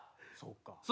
そうか。